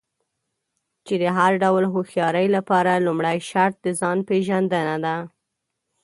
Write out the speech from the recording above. چې د هر ډول هوښيارۍ لپاره لومړی شرط د ځان پېژندنه ده.